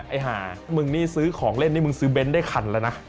หามึงนี่ซื้อของเล่นนี่มึงซื้อเน้นได้คันแล้วนะ